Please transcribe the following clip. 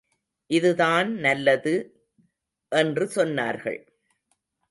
இதுதான் நல்லது —என்று சொன்னார்கள்.